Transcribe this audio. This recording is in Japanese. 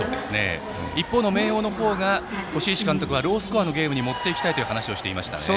一方の明桜の方は輿石監督がロースコアのゲームに持っていきたいと話していました。